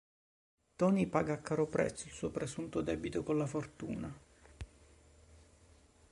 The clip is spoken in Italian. Tony paga a caro prezzo il suo presunto "debito" con la fortuna.